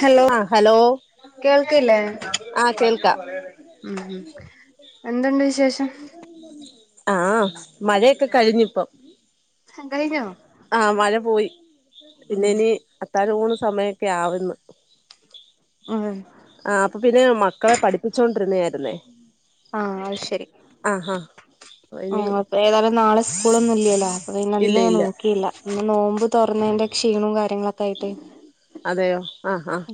Hello ആഹ് hello കേൾക്ക്ല്ലേ? ആഹ് കേൾക്കാം ഉം ഉം എന്തുണ്ട് വിശേഷം? ആ മഴയൊക്കെ കഴിഞ്ഞ് പ്പം കഴിഞ്ഞോ? ആ മഴ പോയി ഉം പിന്നെ നി അത്താഴം ഊണ് സമയൊക്കെ ആവ് എന്ന അതെ ആ അപ്പൊ പിന്നെ മക്കളെ പഠിപ്പിച്ചോണ്ടിര്ന്നയാര്ന്നേ ആഹ് അത് ശരി ആ ആ ഇനി ആഹ് അപ്പൊ ഏതായാലും നാളെ സ്കൂളൊന്നും ഇല്യല്ലോ അപ്പൊ പിന്നെ ഇല്ല ഇന്ന് ഞാൻ ഇല്ല നോക്കിയില്ല. ഇന്ന് നോമ്പ് തുറന്നയ്ന്റെ ക്ഷീണും കാര്യങ്ങളൊക്കെ ആയിട്ട് അതെയോ ആഹ് ആഹ്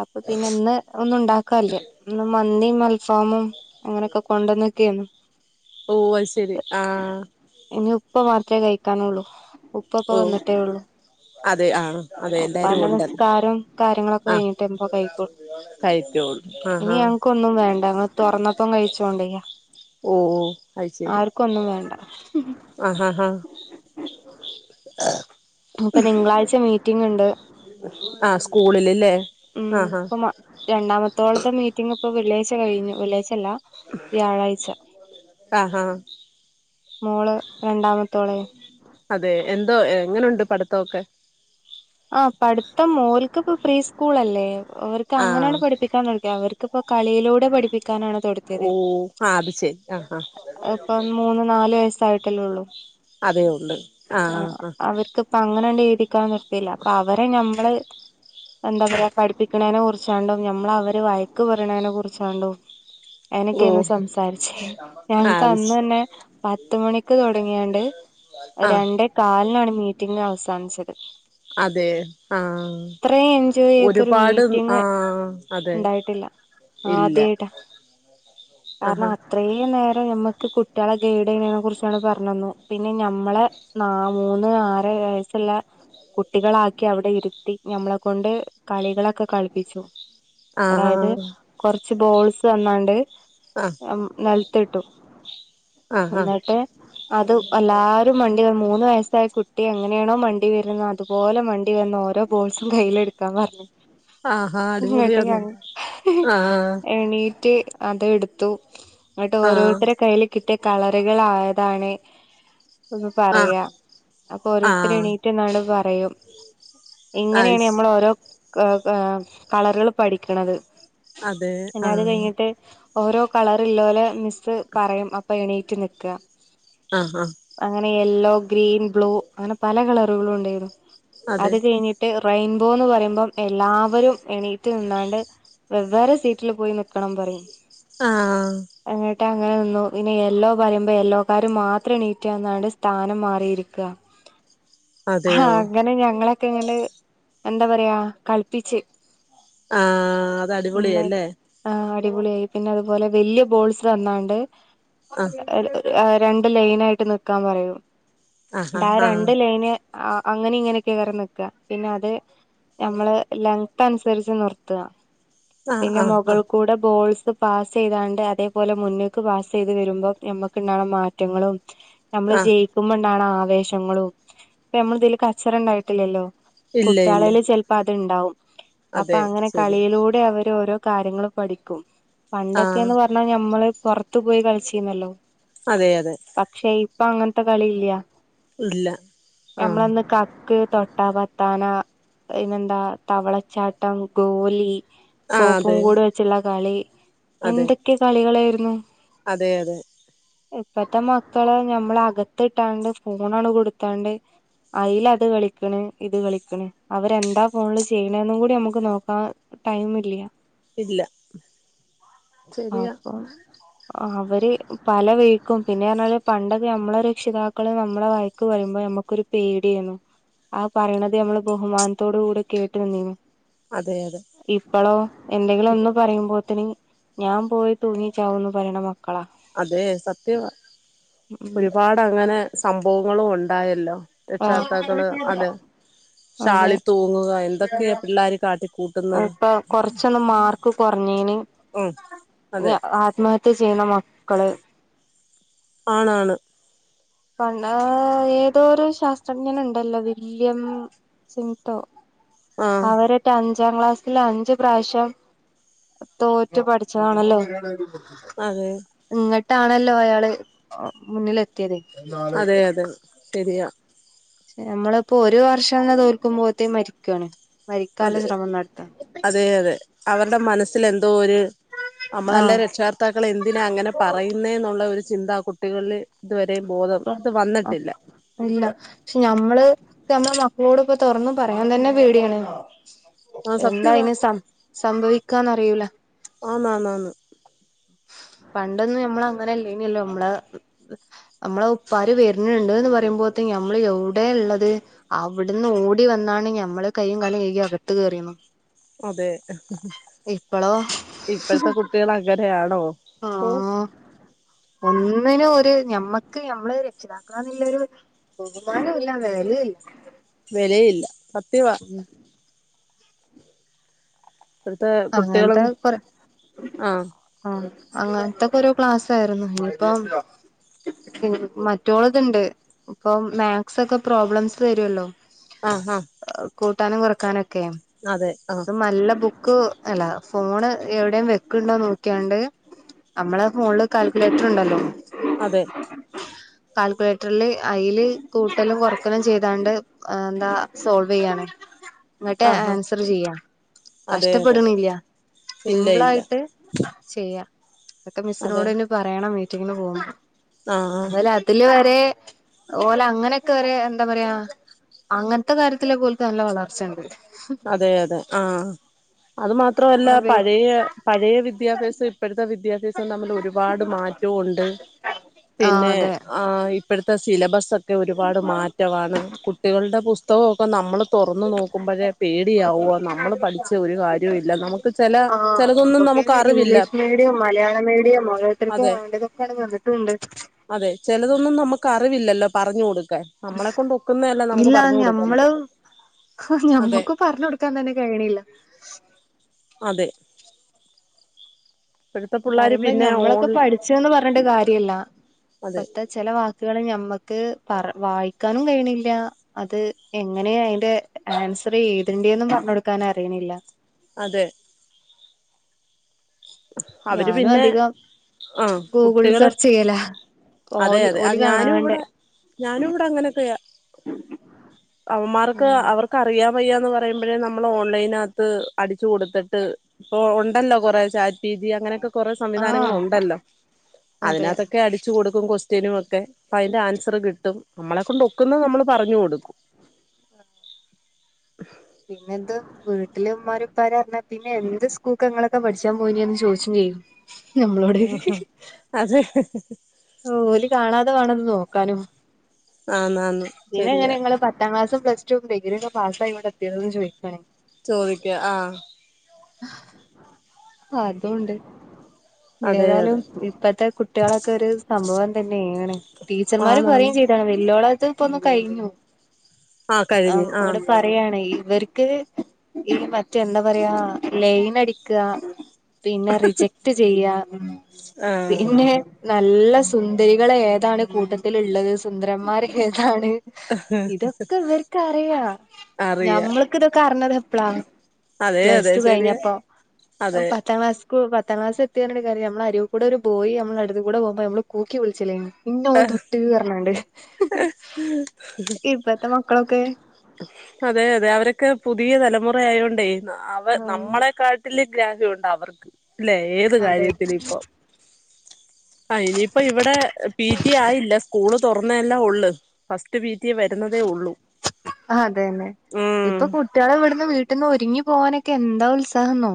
അപ്പൊ പിന്നെ ന്ന് ഒന്നും ഉണ്ടാക്കല്ല. ന്ന് മന്തിം അൽഫാമും അങ്ങനെക്കെ കൊണ്ടന്നക്കെയ്നു ഓ അയ്ശെരി ആ ഇനി ഉപ്പ മാത്രേ കഴിക്കാനൊള്ളൂ ഉപ് ഇപ്പപ്പൊ ഓ വന്നിട്ടേ ഉള്ളു അതെ ആഹ് അതെ എല്ലാരും ഇപ്പന്റെ ഉണ്ടല്ലോ നിസ്ക്കാരം കാര്യങ്ങളൊക്കെ ആഹ് കഴിഞ്ഞിട്ട് ഇപ്പ കഴിക്കോളൂ കഴിക്കോളൂ ആഹ് ഇനി ഞ ആഹ് ഒന്നും വേണ്ട ഞങ്ങള് തൊറന്നപ്പം കഴിച്ചോണ്ടെ ഓ ഓ ആർക്കും ഒന്നും വേണ്ട ആഹ ഹാഹാ ഇപ്പൊ തിങ്കളാഴ്ച മീറ്റിംഗ് ഉണ്ട് ആഹ സ്കൂളിൽല്ലേ ഉം ആഹ ഇപ്പൊ രണ്ടാമത്തോളത്തെ മീറ്റിങ് ഇപ്പൊ വെള്ളിയാഴ്ച കഴിഞ്ഞു വെള്ളിയാഴ്ച അല്ല വ്യാഴാഴ്ച ആഹ് ആഹ് മോള് രണ്ടാമതൊള്ളെ അതെ എന്തോ എങ്ങനെയുണ്ട് പഠിത്തൊക്കെ ആ പഠിത്തം മോൾക്ക്പ്പോ പ്രീ സ്കൂൾ അല്ലേ അവർക്ക് ആഹ് അങ്ങനെയാണ് പഠിപ്പിക്കാൻ ഇപ്പൊ കളിയിലൂടെ പഠി പഠിപ്പിക്കാൻ ആണ് ഓ തോടുത്തിയത് ആഹ് അത് ശരി ആഹ് ആഹ് ഇപ്പോ മൂന്ന് നാല് വയസായിട്ട് ട്ടല്ലേഒള്ളും അതേ ഉണ്ട് അവർക്ക്പ്പോ അങ്ങനെണ്ട് എഴുതിക്കാൻ നിർത്തിയില്ല അപ്പൊ അവരെ ഞമ്മള് എന്താ പറയാ പഠിപ്പിക്കുന്നതിനെ കുറിച്ചാണല്ലോ നമ്മള് അവര് വയക്ക് പറയണതിനെ കുറിച്ചാണ്ടും ഓ അങ്ങനോക്കെയാണ് സംസാരിച്ചേ ഞങ്ങക്ക് ആഹ് അന്ന് തന്നെ പത്ത് മണിക്ക് തുടങ്ങിയാണ്ട് അത് ആഹ് രണ്ടേ കാലിനാണ് മീറ്റിംഗ് അവസാനിച്ചത് അതെ ആഹ ഇത്രയും എൻജോയ് ചെയ്തൊരു ഒരുപാട് മീറ്റിംഗ് ആഹ അതെ ആഹ ഇല്ല ആദ്യായിട്ടാ ആഹാ ഇത്രെയും നേരം നമ്മക്ക് കുട്ടിയാളെ ഗൈഡ് ചെയ്യുന്നതിനെ കുറിച്ചാണ് പറഞ്ഞന്നു പിന്നെ നമ്മളെ നല് മൂന്ന് ആറ് വയസ്സുള്ള കുട്ടികളാക്കി അവിടെ ഇരുത്തി ഞമ്മളെ കൊണ്ട് കളികളൊക്കെ കളിപ്പിച്ചു ആഹ് അതായത് കൊറച്ച് ബോൾസ് തന്നാണ്ട് ആഹ് നിലത്തിട്ടു ആഹാ എന്നിട്ട് അത് എല്ലരും മണ്ടി മൂന്ന് വയസ്സായ കുട്ടി എങ്ങനാണോ മണ്ടി വരുന്നത് അതുപോലെ മണ്ടി മണ്ടി വന്ന് ഓരോ ബോൾസും കയ്യിൽ എടുക്കാൻ പറഞ്ഞു ആഹാ ഇങ്ങട്ട് ഞാൻ അടിപൊളിയാന്നല്ലോ ആഹ് എണീറ്റ് അതെടുത്തു എന്നിട്ട് ആഹ് ഓരോരുത്തരെ കയ്യിൽ കിട്ടിയ കളറുകൾ ഏതാണ് ആഹ് പറയാ അപ്പൊ ഓരോരുത്തര് ആഹ് എണീറ്റ് നിന്നാണ്ട് പറയും ഇങ്ങനെയാണ് അയ്ശ് നമ്മൾ ഓരോ കളറുകൾ പഠിക്കണത് അതെ പിന്നെ അത് ആഹ് കഴിഞ്ഞിട്ട് ഓരോ കളർ ഇല്ലോലെ മിസ്സ് പറയും അപ്പൊ എണീറ്റ് നിൽക്ക ആഹ ആഹ അങ്ങനെ യെല്ലോ ഗ്രീൻ ബ്ലൂ അങ്ങനെ പല കളറുകളും ഉണ്ടെരുന്നു അതെ അത് കഴിഞ്ഞ് ട്ട് റെയിൻബോന്ന് പറയുമ്പോ എല്ലാവരും എണീറ്റ് നിന്നാണ്ട് വെവേറെ സീറ്റില് പോയി നിൽ ക്കണം പറയും ആഹ് എങ്ങിട്ട് അങ്ങനെ നിന്നു പിന്നെ യെലോ പറയുമ്പോ യെല്ലോ കാര് മാത്രം എണീറ്റാൽ നിന്നാണ്ട് സ്ഥാനം മാറി ഇരിക്ക അതെയോ അങ്ങനെ ഞങ്ങള് ഇങ്ങണ്ട് എന്താ പറയാ കളിപ്പിച്ച് ആ അത് അടിപൊളിയല്ലേ ആ് അടിപൊളിയായി പിന്നെ അതുപോലെ വലിയ ബോൾസ് തന്നാണ്ട് ആഹ് രണ്ട് ലൈൻ ആയിട്ട് നിൽ ക്കാൻ പറയും ആഹ് എന്നിട്ട് ആ ആഹ് രണ്ട് ആഹ് ലൈന് ആ അങ്ങനെ ഇങ്ങനെയൊക്കെ ആയിക്കും നിക്കാ പിന്നെ അത് നമ്മള് ലെൻത്ത് അനുസരിച്ച് നിർത്താ പിന്നെ ആഹ് ആഹ് ആഹ് മുകൾകൂടെ ബോൾസ് പാസ് ചെയ്താണ്ട് അതേപോലെ മുനിലെ ക്ക് പാസ് ചെയ്ത് വരുമ്പോം നമ്മുക്ക് ഉണ്ടാവണ മാറ്റങ്ങളും നമ്മള് ആഹ് ജയിക്കുമ്പോണ്ടാവണ ആവേശങ്ങളും ഇപ്പോ നമ്മൾ ഇതില് കച്ചറ ഉണ്ടായിട്ടില്ലല്ലോ ഇല്ല ഇല്ല കുട്ടിയാളെൽ ചെലപ്പോ അത്ണ്ടാവും അപ്പൊ അതെ അങ്ങനെ ശരി കളിയിലൂടെ അവര് ഓരോ കാര്യങ്ങള് പഠിക്കും ആഹ് പണ്ടൊക്കെന്ന് പറഞ്ഞാ ഞമ്മള് പുറത്തു പോയി കളിച്ചിരുന്നല്ലോ അതെ അതെ പക്ഷെ ഇപ്പൊ അങ്ങനത്തെ കളി ഇല്ല. ഇല്ല ആഹ് ഞമ്മളൊന്ന് കക്ക് തൊട്ടാക്കാ താന പിന്നെന്താ തവളച്ചാട്ടം ഗോലി ആഹ് സോപ്പും അതെ കൂട് വെച്ചുള്ള കളി അതെ എന്തൊക്കെ കളികളായിരുന്നു. അതെ അതെ ഇപ്പത്തെ മക്കള് ഞമ്മള അകത്തി ഇട്ടാണ്ട് ഫോണണ് കൊടുത്താണ്ട് അയിലത് അത് കളിക്കണ ഇത് കളിക്കണ അവരെന്താ ഫോണില് ചെയ്യണും കൂടി നമുക്ക് നോക്കാം ടൈം ഇല്ല. ഇല്ല ശെരിയാ. അപ്പം അവര് പല വഴിക്കും പിന്നെ പറഞ്ഞാല് പണ്ട നമ്മളെ രക്ഷിതാക്കള് നമ്മളെ വയക്ക് പറയുമ്പോ നമ്മക്കൊരു പേടിയായിനു. ആഹ് പറയുന്നത് നമ്മള് ബഹുമാനത്തോടു കൂടെ കേട്ട് നിന്നീ. അതെ അതെ ഇപ്പോളോ എന്തെങ്കിലും ഒന്ന് പറയുമ്പോത്തന് ഞാൻ പോയി തൂങ്ങിചാവുന്നു പറയണ മക്കളാ. അതെ സത്യ ഉം ഒരുപാട് അങ്ങനെ സംഭവങ്ങളും ഉണ്ടായല്ലോ? രക്ഷകർതാക്കള് അതെ ആഹ് അതെ ഷാളി തൂങ്ങുക എന്തൊക്കെയാ പിള്ളാര് കാട്ട ഇപ്പൊ കൊറച്ചൊന്ന് മാർക്ക് കുറഞ്ഞേന് ഉം അതെ ആത്മഹത്യ ചെയ്യണ മക്കള് ആണാണ് പ ഏതോരു ശാസ്ത്രജ്ഞനണ്ടല്ലോ വില്യം ആഹ് അവരറ്റ അഞ്ചാം ക്ലാസ്സിൽ അഞ്ച് പ്രാവശ്യം തോറ്റ് പഠിച്ചതാണല്ലോ അതെ എന്നിട്ടാണല്ലോ അയാള് മുന്നിലെ ത്തിയത് അതെ അതെ ശരിയാ. നമ്മളിപ്പോ ഒരു വർഷം തോൽക്കുമ്പോതിന് മരിക്കാണ്. മരിക്കാല അതെ ശ്രമം നടത്താ. അതെ അതെ അവരുടെ മനസ്സിൽ എന്തോ ഒരു നമ്മളല്ല ആഹ് രക്ഷക ത്താക്കൾ എന്തിനാ അങ്ങനെ പറയുന്നെന്നുള്ള ഒരു ചിന്ത കുട്ടികളിൽ ഇതുവരെയും ബോധം ഇത് വന്നിട്ടില്ല. ഇല്ല പക്ഷെ ഞമ്മള് നമ്മുടെ മക്കളോട്പ്പ തുറന്ന് പറയാൻ തന്നെ പേടിയാണ്. ആ എന്താ സത്യവാ അയ്ന് സംസംഭവിക്കാന്നറിയുല. ആന്നാന്നാന്ന് പണ്ടന്ന് നമ്മള അങ്ങനെല്ലേനല്ലോ നമ്മള്. നമ്മള ഉപ്പാർ വരുന്നുണ്ട് എന്ന് പറയുമ്പോഴത്തെ നമ്മൾ എവിടെ ഉള്ളത്. അവിടന്ന് ഓടി വന്നാണ്ങ് മ്മള് കയ്യും കാലും കയികി അകത് കയറിയന്ന. അതെ ഇപ്പളോ ഇപ്പോഴത്തെ കുട്ട ട്ടിളങ്ങനാണോ ഓ ആഹ് ഒന്നിനും ഒരു ഞമ്മക്ക് നമ്മള് രക്ഷിതാക്കളാന്നുള്ളരു ബഹുമാനില്ല വേലിഇല്ല വെല ഇല്ല സത്യവാ ഇപ്പോടുത്തെ കുട്ടികളും അങ്ങനത്തെ കൊറ ആഹ് ആഹ് അങ്ങനത്തൊക്കെ ഒരു ക്ലാസ് ആയിരുന്നു ഇപ്പം മറ്റൊള്ളത്ണ്ട് ഇപ്പൊ മാത്സ് ഒക്കെ പ്രോബ്ലംസ് തരുവല്ലോ ആഹ് ആഹ് കൂട്ടാനും കുറക്കാന ഒക്കെ അതെ ആഹ് ഇത് നല്ല ബു ക്കൂ അല്ല. ഫോണ് എവിടെയും വെക്ക്ണ്ടോ നോക്കിയാണ്ട് അമ്മളെ ഫോൺല് കാൽക്കുലേറ്റർ ണ്ടല്ലോ? അതെ കാൽക്കുലേറ്റർല് അയ്ല് കൂട്ടലും കൊറക്കലും ചെയ്താണ്ട് എന്താ സോൾവെയ്യാണ്. ങ്ങെട്ട് ആഹ് ആഹ് ആൻസർ ചെയ്യാ അതെ അതെ കഷ്ടപ്പെട്ണ്ല്ല്യ. ഇല്ല ഇല്ല സിമ്പ്ളായിട്ട് ചെയ്യാ. അതൊക്കെ അതെ മിസ്സിനോടെന്നെ പറയണം മീറ്റിങ്ങിന് പോകുമ്പ. ആഹ് ആഹ് അതോലെ ട്ട്‌ല് വരെ ഓല അങ്ങനെയൊക്കെ വരെ എന്താ പറയാ അങ്ങൻത്തെ കാര്യത്തിലൊക്കെ ഓൽക്ക് നല്ല വളർച്ചണ്ട്. അതെ അതെ. ആഹ് അത് മാത്രോല്ല ഫോൺ ഉപയോഗി പഴയ പഴയ വിദ്യാഭ്യാസോം ഇപ്പഴത്തെ വിദ്യാ ഭ്യാസം തമ്മില് ഒരുപാട് മാറ്റോണ്ട്. ആഹ് പിന്നെ അതെ ആഹ്- ഇപ്പഴത്തെ സിലബസൊക്കെ ഒരുപാട് മാറ്റവാണ്. കുട്ടികൾടെ പുസ്തകൊക്കെ നമ്മള് തൊറന്ന് നോക്കുമ്പഴേ പേടിയാവുവ. നമ്മള് പഠിച്ച ഒര് കാര്യവും ഇല്ല. നമുക്ക് ചെല ആഹ് ചെലതൊന്നും ഒക്കെ നമുക്ക് അറിവില്ല. ഇംഗ്ലീഷ് മീഡിയം മലയാള മീഡിയം ഓരോത്തർക്കും അതെ വേണ്ടതൊക്കെണ്ട് വന്ന്ട്ടൂണ്ട്. അതെ. ചെലതൊന്നും നമു ക്കറിവില്ലല്ലോ പറഞ്ഞ് കൊടുക്കാൻ. നമ്മളെ കൊണ്ട് ഒക്കുന്നേല്ലേ നമുക്ക് പറഞ്ഞു കൊടുക്കാൻ പറ്റത്തൊ ഞമ്മക്കും പറഞ്ഞൊട്ക്കാൻ തന്നെ കഴിണീല്ല. അതെ ഇപ്പോഴത്തെ പിള്ളേർ പറയുമ്പം പിന്നെ ഓൺ ഞമ്മളൊക്കെ പഠിച്ച്ന്ന് പർഞ്ഞിട്ട കാര്യല്ല. അതെ ഇപ്പത്തെ ചെല വാക്ക് കള് ഞമ്മക്ക് പറ വായിക്കാനും കഴിണില്ലാ. അത് എങ്ങനെയ അയിന്റെ ആൻസറ് ഏതെണ്ടീന്നും പറഞ്ഞൊ ട്ക്കാൻ അറിയിണില്ല. അതെ അവര് ഞാനും പിന്നെ അധികം ആ ഗൂഗുള്ള് കുട്ടികള് സെർച്ചെ യ്യലാ. അതെ അതെ. ആഹ് ഞാനും വടെ ഞാനും വടെ അങ്ങനെയൊക്കയാ. അവമ്മാർക്ക് അവർ ക്കഅറിയാം വെയ്യാന്ന് പറയുമ്പോഴേ നമ്മള് ഓൺലൈനാത്ത് അടിച്ച് കൊട്ത്ത്ട്ട് ഓ ഒണ്ടല്ലോ കൊറേ ചാ പി ജി അങ്ങനെയൊക്കെ കൊറേ സംവിധാനങ്ങൾ ആഹ് ഒണ്ടല്ലോ. അതെ അതിനകത്തൊക്കെ അടി ച്ച് കൊടുക്കും കൊസ്റ്റ്യനും ഒക്കെ. പ്പ യിൻ്റെ ആൻസറ് കിട്ടും. നമ്മളെ കൊണ്ട് ഒക്കുന്നത് നമ്മൾ പറഞ്ഞു കൊടുക്കും. പിന്നെന്ത്? വീട്ട്ല് മ്മാരുംപ്പാരും അർഞ്ഞാ പിന്നെ എന്ത് സ്കൂക്കാ ങ്ങളൊക്കെ പഠിച്ചാൻ പോയി ന്യേന്ന് ചോയിച്ചും ചെയ്യും. നമ്മളോട് ആഹാ. അത് ഓല് കാണാതെ വാണംത് നോക്കാനും. ആന്നാന്ന് പിന്നെ ശരിയാ എങ്ങനെങ്ങള് പ ത്താ ക്ലാസ്സും, പ്ലസ്‌ ടും, ഡിഗ്രി ഒക്കെ പസ്സായിവ്‌ടെ എത്തിയത് ചോയിക്കാണ്. ചോയിക്കും. ആഹ് അതുണ്ട്. അതെ ഏതാലും അതെ ഇപ്പത്തെ കുട്ടികളെക്കൊര് സംഭവം തെന്നേണ്. ടീച്ചർമാര് പറിം ആണാണ് ചെയ്യും. [unintelligible] വല്യോളാച്ചാ പ്പൊ ന്ന് കഴിഞ്ഞു. ആ അം കഴിഞ്ഞ് ആ ങ്ങട്ട് പ്പ റയാണെ. ഇവര്ക്ക് ഈ മറ്റേ എന്താ പറയാ ലൈനടിക്കാ പിന്നെ റിജക്ട് ചെയ്യാ. ആ പിന്നെ നല്ല സുന്ദരികളേതാണ് കൂട്ടത്തില്ള്ളത്, സുന്ദരന്മാർ ഏതാണ് ഇതൊക്കെ ഇവര്ക്കറിയാ. അറിയാ ഞമ്മൾക്ക് തൊക്കെ അർഞ്ഞത് എപ്പളാ അതെ പ്ലസ് അതെ ടു ശരിയാ കഴിഞ്ഞപ്പം. അതെ പത്താം ക്ലാസ് ക്കു പത്താ ക്ലാസ് എത്തീർഞ്ഞിട്ട് കാര്യല്ല. മ്മളെ അരൂകൂടൊരു ബോയ് അമ്മളെ അട്ത്ത് കൂടെ പോക്മ്പം നമ്മള് കൂക്കി വിളിച്ചിലേ ഇന്നെ ഓൻ തൊട്ട് ർഞ്ഞാണ്ട്. ഇപ്പത്തെ മക്കളൊക്കേ അതെ അതെ. അവരൊക്കെ പുതിയ തലമുറ ആയോണ്ടേ ന്ന അവ നമ്മളെക്കാ ട്ടില് ഗ്രാഹ്യം ഒണ്ട് അവർക്ക്. അല്ലെ ഏത് അതെ കാര്യത്തിലും ഇപ്പൊ. അയിന് പ്പം ഇവടെ പി റ്റി ആയില്ല സ്കൂള് എല്ലാം ഉള്ള് ഫസ്റ്റ് പി റ്റി വരുന്നതേ ഉള്ളു അതന്നെ ഉം ഇപ്പൊ കുട്ടികളെ ഇവിടുന്ന് വീട്ടിൽന്ന് ഒരുങ്ങി പോകാനൊക്കെ എന്താ ഉത്സാഹന്നോ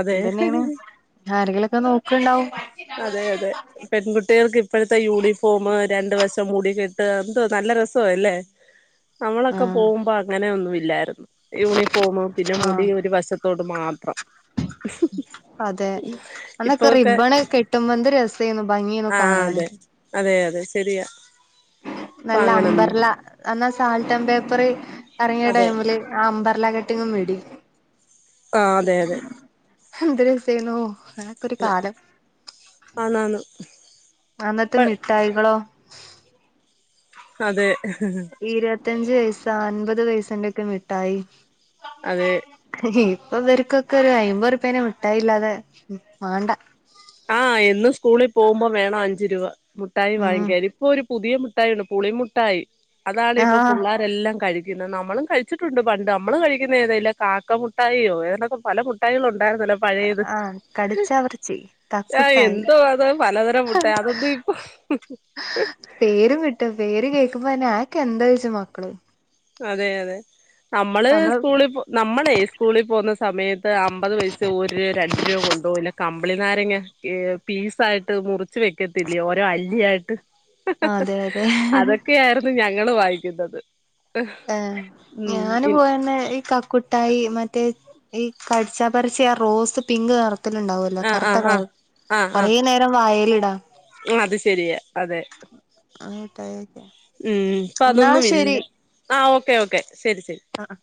അതെ ഇന്തന്നെയാണ് ആരെങ്കിലും ഒക്കെ നോക്കണ്ടാവും അതെ അതെ പെൺകുട്ടികൾക്ക് ഇപ്പോഴത്തെ യൂണിഫോം രണ്ട് വസം മൂടിക്കെട്ടാ എന്തോ നല്ല രസവല്ലേ നമ്മളൊക്കെ ആഹ് പോകുമ്പോ അങ്ങനെ ഒന്നുല്ലായിരുന്നു യൂണിഫോമ് പിന്നെ മുടി ആഹ് ഒരു വശ ത്തോട് മാത്രം അതെ അന്നൊക്കെ ഇപ്പൊക്കെ റിബണ് കെട്ടുമ്പോ എന്ത് രസേന്നു ഭംഗിയേന്നു ആഹ് കാണാന് അതെ അതെ അതെ ശരിയാ അപ്പ നല്ല അങ്ങനൊന്നും അമ്പർല അന്നാ ആ സാൾട്ടം പേപ്പർ ഇറങ്ങിയ അതെ ടൈമില് ആ അമ്പർല കട്ടിങ്ങും മിടിം ആ അതെ അതെ എന്ത് രസേനോ അങ്ങനെക്കൊരു കാലം ആന്ന് ആന്ന് അന്നത്തെ മിഠായികളോ അതെ ഇരുപത്തഞ്ച് പൈസ അൻപത് പൈയസന്റൊക്കെ മിട്ടായി അതെ ഇപ്പൊ ഇവര്ക്കൊക്കെ ഒരു അയിമ്പ ഉറ്പ്പ്യൻ്റെ മുട്ടായില്ലാതെ മാണ്ടാ ആഹ് എന്നും സ്കൂളിൽ പോകുമ്പോ വേണം അഞ്ചു രൂപ മുട്ടായി ഉം വാങ്ങിക്കാനിം ഇപ്പൊ ഒരു പുതിയ മുട്ടായിണ്ട് പുളിമുട്ടായി അതാണ് ഇപ്പൊ ആഹ് പിള്ളേരെല്ലാം കഴ് ഇത് നമ്മളും കഴിച്ചിട്ടുണ്ട് പണ്ട് നമ്മള് കഴിക്കുന്ന ഏതെല്ലാം കാക്ക മുട്ടായിയോ ഏതൊക്കെ പല മുട്ടായികളും ഉണ്ടായിരുന്നല്ലോ പഴയത് ശരി എന്തോ അത് പലതരം മുട്ടായി അതൊന്നും ഇപ്പൊ പേരും കിട്ടും പേര് കേക്കുമ്പോ തന്നെ ആയെക്കെ എന്താ ചോയിച്ചും മക്കള് അതെ അതെ നമ്മള് സ്കൂളി പോ നമ്മളെ സ്കൂളിൽ പോകുന്ന സമയത്ത് അമ്പത് പൈസ ഒരു രൂപ രണ്ട് രൂപ കൊണ്ടുപോകില്ല കമ്പിളി നാരങ്ങ ഏ പീസായിട്ട് മുറിച്ച് വെക്കത്തില്ലേ ഓരോ അല്ലിയായിട്ട് അതെ അതെ അതൊക്കെയായിരുന്നു ഞങ്ങള് വായിക്കുന്നത് ആ ഉം ഞാന് പോയന്നെ ഈ ക കുട്ടായി മറ്റേ ഈ കടിച്ചപ്പരച്ചി ആ റോസ് പിങ്ക് നിറത്തിലുണ്ടാവ ആഹ് കറുത്ത ആഹ് ആഹ് കളറ് കൊറ നേരം വായലിടാ ഉം അത് ശരിയാ അതെ ആ മിഠായിയൊക്കെ ഉം ഇപ്പോ എന്നാ അതൊന്നും ഇല്ല ശരി ആ ഓക്കെ ഓക്കെ ശരി ശരി ആഹ്